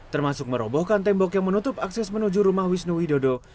termasuk merobohkan tembok yang menutup akses menuju rumah wisnu widodo